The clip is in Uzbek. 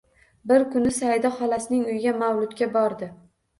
Bir kuni Saida xolasining uyiga mavludga bordi